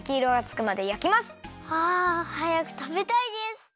あはやくたべたいです！